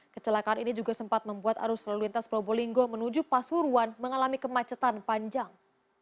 kecelakaan ini juga sempat membuat arus lalu lintas probolinggo menuju pasuruan mengalami kemacetan panjang